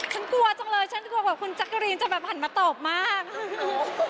ฉันกลัวจังเลยฉันกลัวว่าคุณจ๊ะกรีมจะไปผ่านมาตบมาก